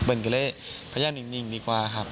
เพื่อนก็เลยพยายามดิงดีกว่าครับ